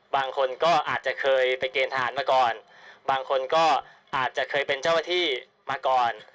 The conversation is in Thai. บางคนก็อาจจะเคยไปเกณฑ์ทหารมาก่อนบางคนก็อาจจะเคยเป็นเจ้าหน้าที่มาก่อน